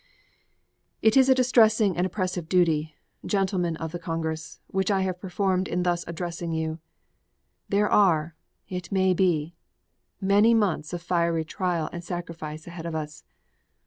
It is a distressing and oppressive duty, Gentlemen of the Congress, which I have performed in thus addressing you. There are, it may be, many months of fiery trial and sacrifice ahead of us.